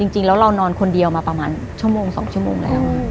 จริงแล้วเรานอนคนเดียวมาประมาณชั่วโมง๒ชั่วโมงแล้ว